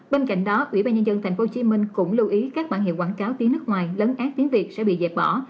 bên cạnh đó ủy ban nhân dân tp hcm cũng lưu ý các bản hiệu quảng cáo tiếng nước ngoài lấn át tiếng việt sẽ bị dẹp bỏ